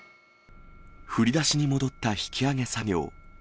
ふりだしに戻った引き揚げ作業。